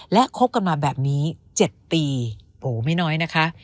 และคบกันมาแบบนี้๗ปีโอ้ไม่น้อยนะคะ